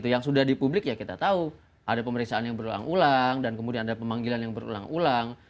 yang sudah di publik ya kita tahu ada pemeriksaan yang berulang ulang dan kemudian ada pemanggilan yang berulang ulang